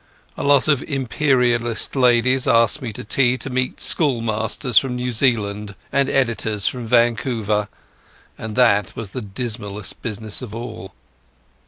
A lot of Imperialist ladies asked me to tea to meet schoolmasters from New Zealand and editors from Vancouver, and that was the dismalest business of all.